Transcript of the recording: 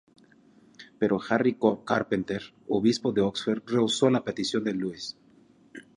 Pero Harry Carpenter, obispo de Oxford, rehusó la petición de Lewis.